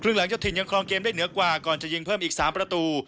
หลังเจ้าถิ่นยังครองเกมได้เหนือกว่าก่อนจะยิงเพิ่มอีก๓ประตู